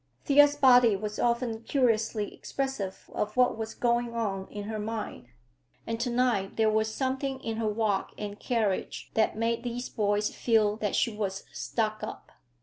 Thea's body was often curiously expressive of what was going on in her mind, and to night there was something in her walk and carriage that made these boys feel that she was "stuck up."